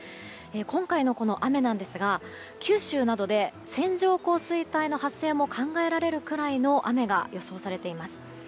今回の雨ですが九州などで線状降水帯の発生も考えられるくらいの雨が予想されています。